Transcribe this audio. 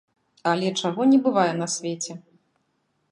Але чаго не бывае на свеце!